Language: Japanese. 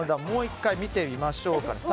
もう１回見てみましょうか。